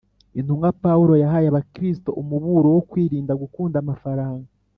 intumwa Pawulo yahaye Abakristo umuburo wo kwirinda gukunda amafaranga